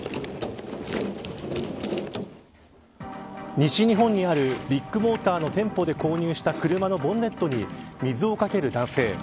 西日本にあるビッグモーターの店舗で購入した車のボンネットに水をかける男性。